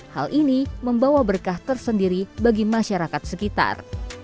hal ini membawa berkah tersendiri bagi masyarakat sekitar